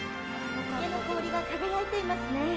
池の氷が輝いていますね。